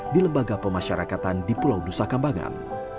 di lembaga pemasyarakatan di pulau nusa kambangan